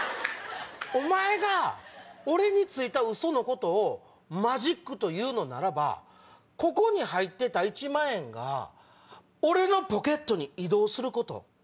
⁉お前が俺についたウソのことをマジックと言うのならばここに入ってた一万円が俺のポケットに移動すること。